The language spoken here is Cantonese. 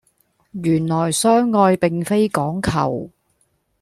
原來相愛並非講求